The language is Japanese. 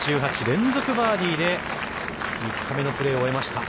１７、１８、連続バーディーで、３日目のプレーを終えました。